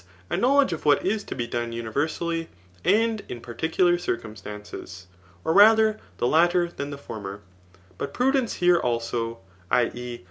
a knowledge of what is to be done universally, and in particular circumstances,]] OF rather the latter than the former. But prudence here also [i. e.